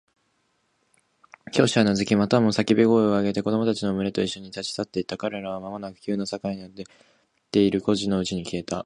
教師はうなずき、またもや叫び声を上げ始めた子供たちのむれといっしょに、立ち去っていった。彼らはまもなく急な坂になっている小路のうちに消えた。